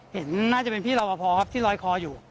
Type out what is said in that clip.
เห็นน่าจะเป็นพี่รอปภครับที่ลอยคออยู่